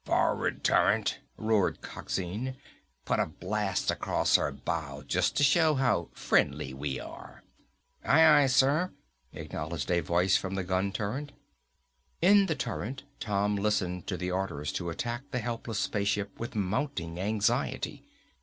"Forward turret!" roared Coxine. "Put a blast across her bow just to show how friendly we are!" "Aye, aye, sir," acknowledged a voice from the gun turret. In the turret Tom listened to the orders to attack the helpless spaceship with mounting anxiety.